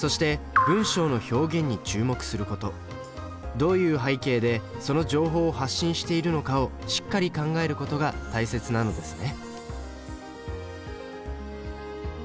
どういう背景でその情報を発信しているのかをしっかり考えることが大切なのですね。